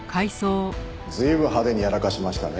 随分派手にやらかしましたね。